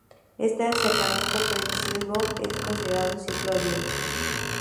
Este acercamiento predictivo es considerado ciclo abierto.